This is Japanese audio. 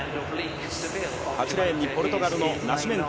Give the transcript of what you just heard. ８レーンにポルトガルのナシメント。